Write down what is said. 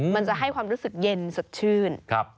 มันจะให้ความรู้สึกเย็นสดชื่น